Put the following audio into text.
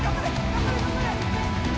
頑張れ頑張れ！